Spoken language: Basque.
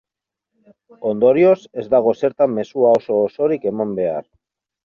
Ondorioz, ez dago zertan mezua oso-osorik eman behar.